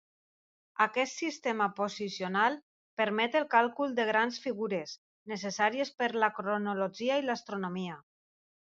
Aquest sistema posicional permet el càlcul de grans figures, necessàries per la cronologia i l'astronomia.